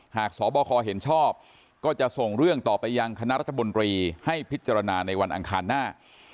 สบคเห็นชอบก็จะส่งเรื่องต่อไปยังคณะรัฐมนตรีให้พิจารณาในวันอังคารหน้า